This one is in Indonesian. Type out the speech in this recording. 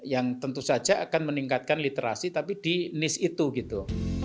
yang tentu saja akan meningkatkan literasi tapi di nis itu gitu